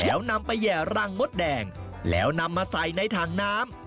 แล้วนำไปแห่รังมดแดงแล้วนำมาใส่ในถังน้ำ